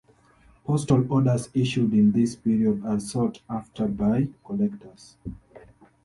Postal orders issued in this period are sought after by collectors.